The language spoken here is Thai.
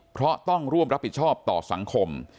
เพราะต้องร่วมรับผิดชอบต่อสังคม